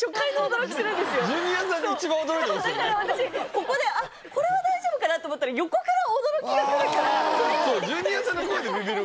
ここでこれは大丈夫かなと思ったら横から驚きがくるからわー！